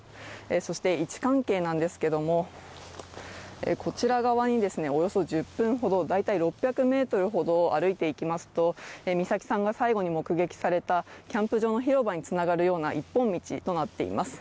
そして位置関係なんですけれどもこちら側に、およそ１０分ほど、大体６００ｍほど歩いて行きますと美咲さんが最後に目撃されたキャンプ場の広場につながるような一本道となっています。